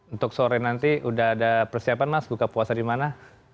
untuk sore nanti sudah ada persiapan mas buka puasa di mana